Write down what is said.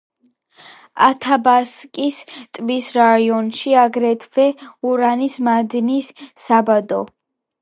ათაბასკის ტბის რაიონშია აგრეთვე ურანის მადნის საბადო.